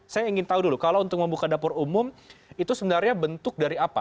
saya ingin tahu dulu kalau untuk membuka dapur umum itu sebenarnya bentuk dari apa